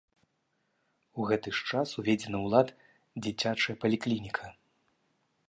У гэты ж час уведзена ў лад дзіцячая паліклініка.